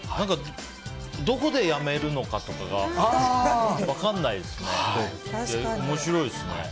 どこでやめるのかとかが分かんないですね。